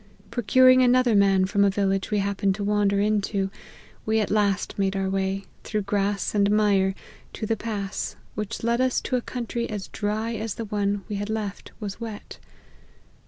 Procuring another man from a village we happened to wander into, we at last made our way, through grass and mire, to the pass, which led us to a country as dry as the one we had left was wet.